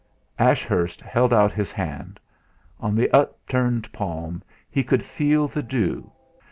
Ashurst held out his hand; on the upturned palm he could feel the dew.